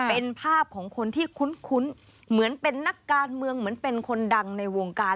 เป็นภาพของคนที่คุ้นเหมือนเป็นนักการเมืองเหมือนเป็นคนดังในวงการ